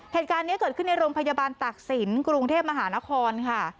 เหตุการณ์นี้เกิดขึ้นในโรงพยาบาลตากศิลป์กรุงเทพมหานครค่ะ